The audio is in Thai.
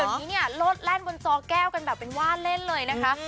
วันนี้เนี่ยโลดแล่นบนจอแก้วกันแบบเป็นว่าเล่นเลยนะคะ